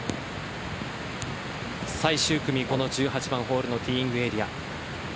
最終組・１８番ホールのティーイングエリア。